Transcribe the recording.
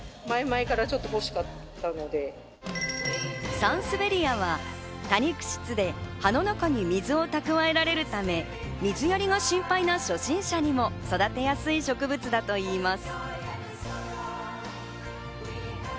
サンスベリアは多肉質で葉の中に水を蓄えられるため、水やりが心配な初心者にも育てやすい植物だといいます。